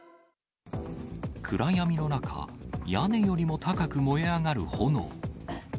暗闇の中、屋根よりも高く燃え上がる炎。